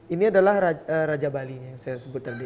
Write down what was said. ini adalah raja bali yang saya sebut tadi